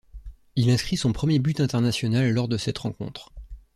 Il inscrit son premier but international lors de cette rencontre.